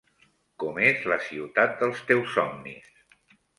Com és la ciutat dels teus somnis?